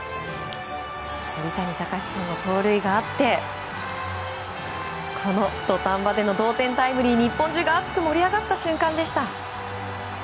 盗塁があって土壇場での同点タイムリーに日本中が熱く盛り上がった瞬間でした。